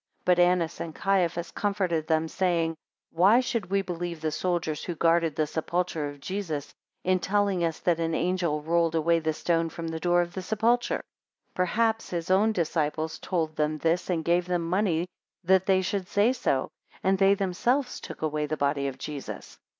28 But Annas and Caiaphas comforted them, saying, Why should we believe the soldiers who guarded the sepulchre of Jesus, in telling us, that an angel rolled away the stone from the door of the sepulchre? 29 Perhaps his own disciples told them this, and gave them money that they should say so, and they themselves took away the body of Jesus.